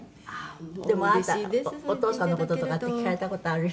「でもあなたお父さんの事とかって聞かれた事ある？